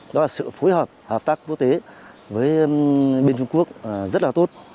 đó là sự phối hợp hợp tác quốc tế với bên trung quốc rất là tốt